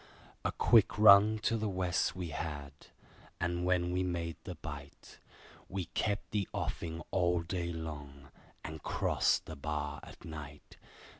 A quick run to the West we had, and when we made the Bight, We kept the offing all day long, and crossed the bar at night.